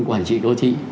quản trị đô thị